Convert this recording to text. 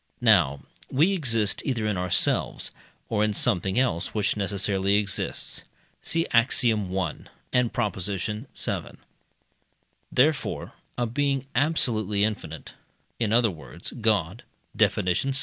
Now we exist either in ourselves, or in something else which necessarily exists (see Axiom. i. and Prop. vii.). Therefore a being absolutely infinite in other words, God (Def. vi.)